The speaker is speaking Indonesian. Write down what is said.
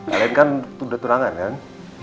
kalian kan tunda turangan kan